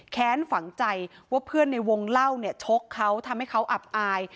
ฝังใจว่าเพื่อนในวงเล่าเนี่ยชกเขาทำให้เขาอับอาย